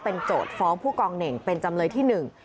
โจทย์ฟ้องผู้กองเหน่งเป็นจำเลยที่หนึ่ง